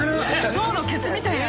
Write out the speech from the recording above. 象のケツみたいな。